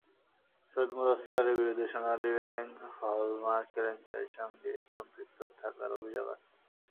সৈয়দ মোদাচ্ছের আলীর বিরুদ্ধে সোনালী ব্যাংকের হল-মার্ক কেলেঙ্কারির সঙ্গে সম্পৃক্ত থাকার অভিযোগ আছে।